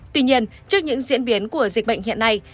tuy nhiên trước những diễn biến của dịch bệnh hiện nay